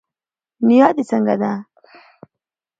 نيا دي څنګه ده